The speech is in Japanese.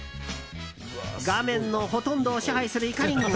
画面のほとんどを支配するイカリング。